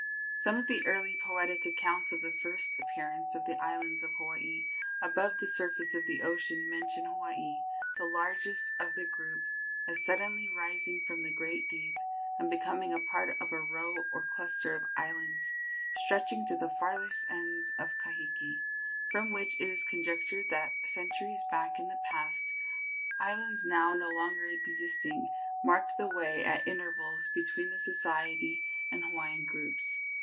Some of the early poetic accounts of the first appearance of the islands of Hawaii above the surface of the ocean mention Hawaii, the largest of the group, as suddenly rising from the great deep and becoming a part of a row or cluster of islands "stretching to the farthest ends of Kahiki," from which it is conjectured that, centuries back in the past, islands now no longer existing marked the way at intervals between the Society and Hawaiian groups.